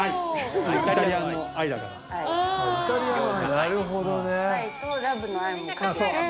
なるほどね。